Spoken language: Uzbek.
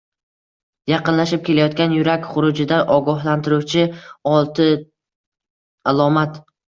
Yaqinlashib kelayotgan yurak xurujidan ogohlantiruvchioltialomat